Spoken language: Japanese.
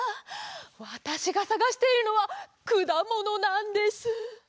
わたしがさがしているのはくだものなんです。